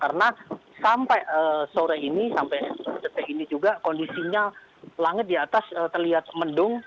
karena sampai sore ini sampai setelah ini juga kondisinya langit di atas terlihat mendung